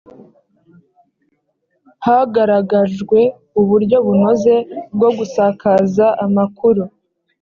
hagaragajwwe uburyo bunoze bwo gusakaza amakuru